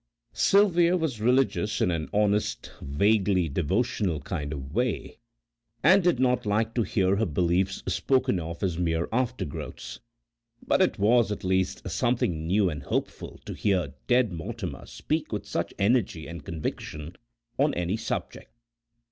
Sylvia was religious in an honest vaguely devotional kind of way, and did not like to hear her beliefs spoken of as mere aftergrowths, but it was at least something new and hopeful to hear Dead Mortimer speak with such energy and conviction on any subject.